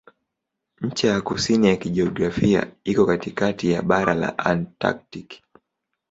Ncha ya kusini ya kijiografia iko katikati ya bara la Antaktiki.